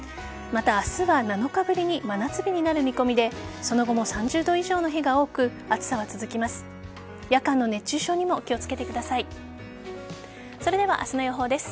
また、明日は７日ぶりに真夏日になる見込みでその後も３０度以上の日が多く暑さは続きます。